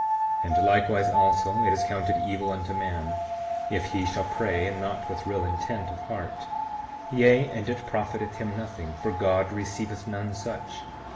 7:9 And likewise also is it counted evil unto a man, if he shall pray and not with real intent of heart; yea, and it profiteth him nothing, for God receiveth none such.